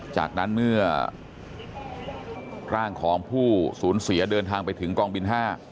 จากนั้นเมื่อร่างของผู้สูญเสียเดินทางไปถึงกองบิน๕